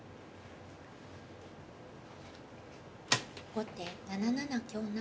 後手７七香成。